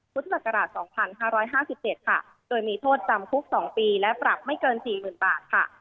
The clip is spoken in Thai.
พุทธศักราช๒๕๕๗ค่ะโดยมีโทษจำคุก๒ปีและปรับไม่เกิน๔๐๐๐บาทค่ะ